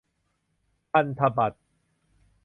พันธบัตร